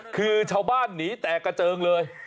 คือชาวบ้านหนีแตกกระเจิงเลย